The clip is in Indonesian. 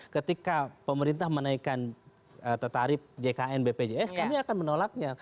ketika pemerintah menaikkan tetarib jkn bpjs kami akan menolaknya